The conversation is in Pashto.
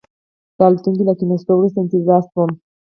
د الوتکې له کېناستو وروسته انتظار شوم.